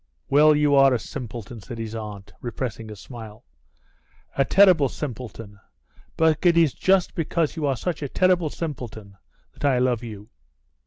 "Well, you are a simpleton," said his aunt, repressing a smile, "a terrible simpleton; but it is just because you are such a terrible simpleton that I love you."